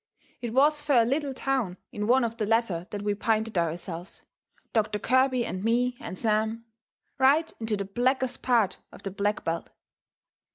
It was fur a little town in one of the latter that we pinted ourselves, Doctor Kirby and me and Sam right into the blackest part of the black belt.